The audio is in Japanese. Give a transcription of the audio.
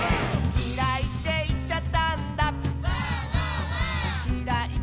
「きらいっていっちゃったんだ」